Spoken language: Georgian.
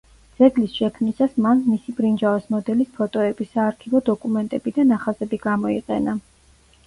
ძეგლის შექმნისას მან მისი ბრინჯაოს მოდელის ფოტოები, საარქივო დოკუმენტები და ნახაზები გამოიყენა.